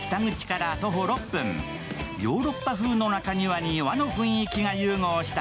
ヨーロッパ風の中庭に和の雰囲気が融合した